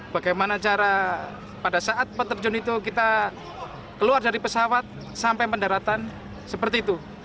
bagaimana cara pada saat peterjun itu kita keluar dari pesawat sampai pendaratan seperti itu